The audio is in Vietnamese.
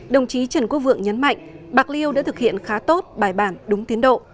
đồng chí trần quốc vượng nhấn mạnh bạc liêu đã thực hiện khá tốt bài bản đúng tiến độ